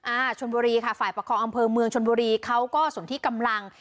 อ่าชนบุรีค่ะฝ่ายประคองอำเภอเมืองชนบุรีเขาก็สนที่กำลัง